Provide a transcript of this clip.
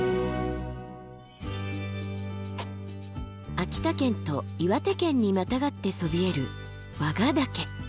秋田県と岩手県にまたがってそびえる和賀岳。